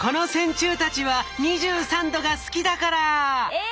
え！